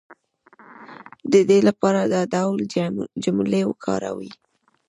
د دې لپاره دا ډول جملې وکاروئ